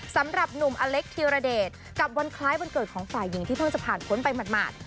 สำหรับหนุ่มอเล็กธิรเดชกับวันคล้ายวันเกิดของฝ่ายหญิงที่เพิ่งจะผ่านพ้นไปหมาด